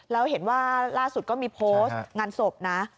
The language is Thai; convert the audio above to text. แล้วเห็นว่าล่าสุดก็มีโพสต์งานศพนะ